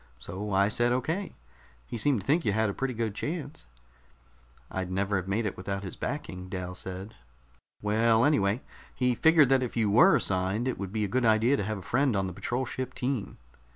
So I said okay. He seemed to think you had a pretty good chance." "I'd never have made it without his backing," Dal said. "Well, anyway, he figured that if you were assigned, it would be a good idea to have a friend on the patrol ship team."